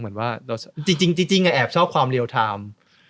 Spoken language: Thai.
เหมือนว่าจริงแอบชอบความเรียลไทม์